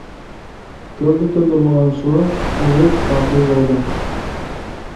كۆلدە تىندۇرۇلغان سۇ سۈزۈك، پاكىز بولىدۇ.